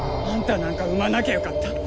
「あんたなんか産まなきゃよかった！」